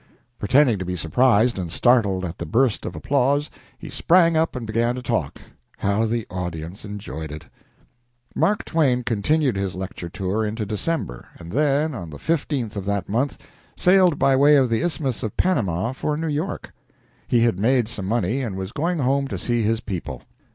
Pretending to be surprised and startled at the burst of applause, he sprang up and began to talk. How the audience enjoyed it! Mark Twain continued his lecture tour into December, and then, on the 15th of that month, sailed by way of the Isthmus of Panama for New York. He had made some money, and was going home to see his people.